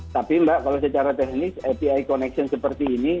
tapi mbak kalau secara teknis api connection seperti ini